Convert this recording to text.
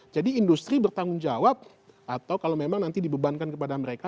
jadi industri bertanggung jawab atau kalau memang nanti dibebankan kepada mereka